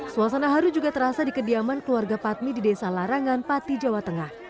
suasana haru juga terasa di kediaman keluarga patmi di desa larangan pati jawa tengah